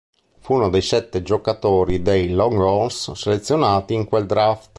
Fu uno dei sette giocatori dei Longhorns selezionati in quel draft.